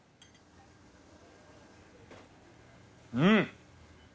うん！